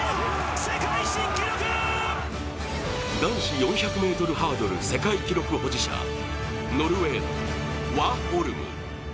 男子４００ｍハードル世界記録保持者、ノルウェーのワーホルム。